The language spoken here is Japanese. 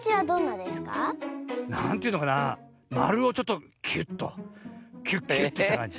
なんというのかなまるをちょっとキュッとキュッキュッとしたかんじ。